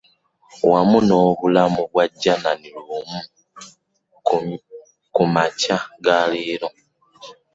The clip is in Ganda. Wamu n'obulamu bwa Janan Luwum ku makya ga leero.